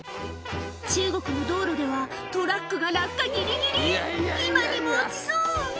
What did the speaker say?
中国の道路ではトラックが落下ギリギリ今にも落ちそう！